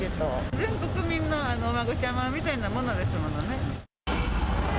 全国民のお孫ちゃまみたいなものですものね。